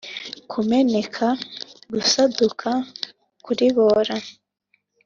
kumeneka (gusaduka) kuribora